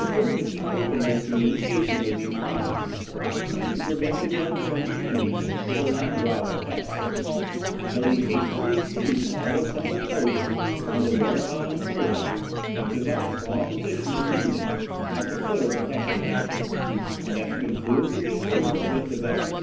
In order to keep open his communication with these provinces, and to prevent the junction of the enemy with the Landgrave of Hesse, Tilly hastily seized all the tenable posts on the Werha and Fulda, and took up a strong position in Minden, at the foot of the Hessian Mountains, and at the confluence of these rivers with the Weser.